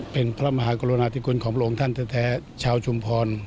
เป็นพระมหากรุณาธิคุณของพระองค์ท่านแท้ชาวชุมพร